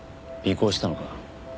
尾行したのか？